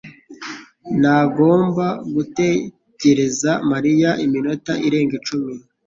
ntagomba gutegereza Mariya iminota irenga icumi